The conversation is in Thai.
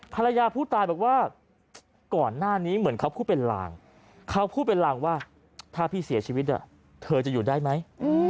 ภรรยาผู้ตายบอกว่าก่อนหน้านี้เหมือนเขาพูดเป็นลางเขาพูดเป็นลางว่าถ้าพี่เสียชีวิตเธอจะอยู่ได้ไหม